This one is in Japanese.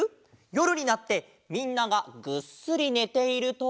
よるになってみんながぐっすりねていると。